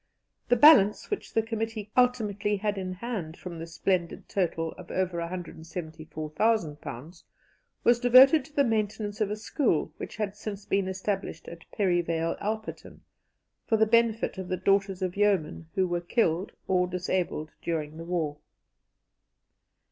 The balance which the committee ultimately had in hand from this splendid total of over £174,000 was devoted to the maintenance of a school which had since been established at Perivale Alperton, for the benefit of the daughters of yeomen who were killed or disabled during the war.